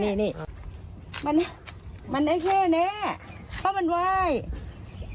มันมันไอ้แค่แน่เพราะมันไหว้